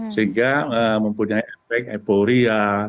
sehingga mempunyai efek eporia